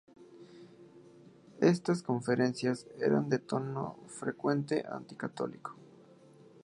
Estas conferencias eran de tono fuertemente anti católico.